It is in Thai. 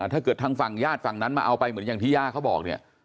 ถ้าเกิดทางฝั่งญาติฝั่งนั้นมาเอาไปเหมือนอย่างที่ย่าเขาบอกเนี่ย